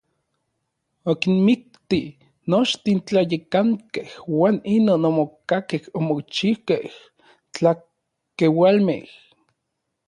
Okinmikti nochtin tlayekankej uan inon omokakej omochikej tlakeualmej.